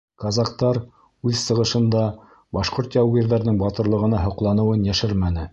Казактар үҙ сығышында башҡорт яугирҙәренең батырлығына һоҡланыуын йәшермәне.